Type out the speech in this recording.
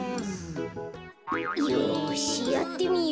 よしやってみよう。